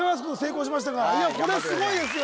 いやこれすごいですよ